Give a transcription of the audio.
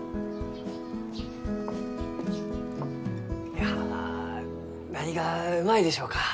いや何がうまいでしょうか？